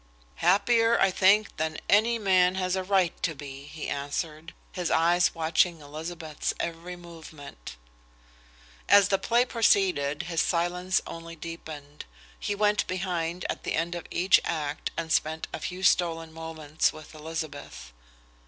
"Happier, I think, than any man has a right to be," he answered, his eyes watching Elizabeth's every movement. As the play proceeded, his silence only deepened. He went behind at the end of each act and spent a few stolen moments with Elizabeth.